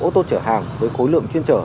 ô tô chở hàng với khối lượng chuyên chở